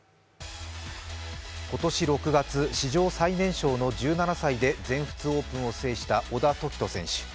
今年６月、史上最年少の１７歳で全仏オープンを制した小田凱人選手。